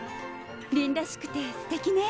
りんらしくてすてきね。